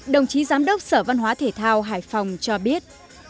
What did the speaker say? đồng chí giám đốc sở văn hóa thể thao hải phòng cho biết